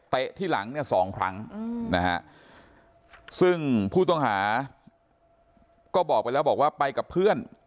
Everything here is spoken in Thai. ที่หลังเนี่ยสองครั้งนะฮะซึ่งผู้ต้องหาก็บอกไปแล้วบอกว่าไปกับเพื่อน